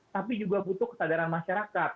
tapi juga butuh kesadaran masyarakat